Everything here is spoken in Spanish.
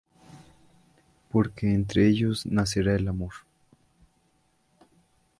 Porque entre ellos nacerá el amor.